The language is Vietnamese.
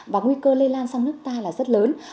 và nguy cơ lây lan sang nước ta là rất lớn